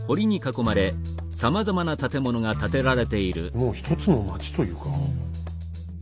もう一つの町というか。